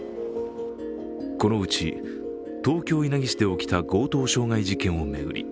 このうち東京・稲城市で起きた強盗・傷害事件を巡り